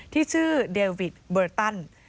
ที่ชื่อเดวิดเบอร์ตัน